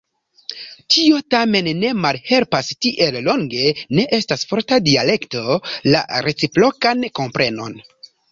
Tio tamen ne malhelpas, tiel longe ne estas forta dialekto, la reciprokan komprenon.